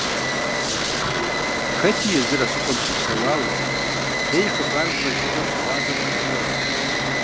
Хэти езыр а щӀыпӀэм щыпсэуауэ е и хъыбарым пэж дыдэу щыгъуазэу къеӀуэтэж.